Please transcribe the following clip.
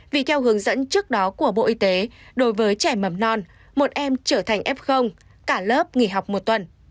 vì theo hướng dẫn trước đó của bộ y tế đối với trẻ mầm non một em trở thành f cả lớp nghỉ học một tuần